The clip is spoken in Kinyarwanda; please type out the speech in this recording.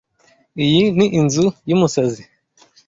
Iyi ni inzu yumusazi.